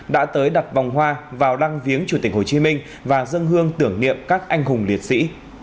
đã tới đặt vòng hoa vào lăng viếng chủ tịch hồ chí minh và dân hương tưởng niệm các anh hùng liệt sĩ